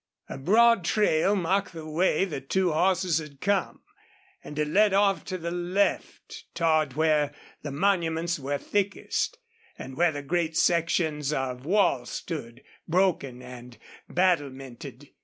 A broad trail marked the way the two horses had come, and it led off to the left, toward where the monuments were thickest, and where the great sections of wall stood, broken and battlemented.